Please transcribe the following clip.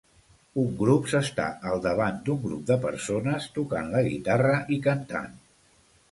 Un grup s'està al davant d'un grup de persones tocant la guitarra i cantant.